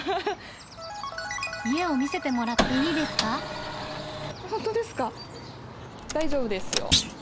家を見せてもらっていいです本当ですか？